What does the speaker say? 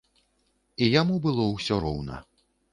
І яму было ўсё роўна.